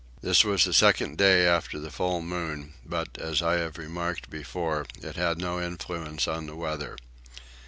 This was the second day after the full moon but, as I have remarked before, it had no influence on the weather.